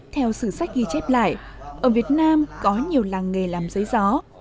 theo sử sách ghi chép lại ở việt nam có nhiều làng nghề làm giấy gió